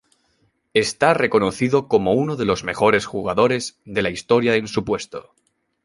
Está reconocido como uno de los mejores jugadores de la historia en su puesto.